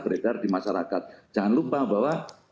beredar di masyarakat jangan lupa bahwa